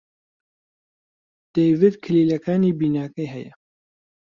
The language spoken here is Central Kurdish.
دەیڤد کلیلەکانی بیناکەی هەیە.